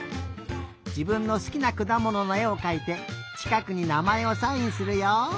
じぶんのすきなくだもののえをかいてちかくになまえをサインするよ。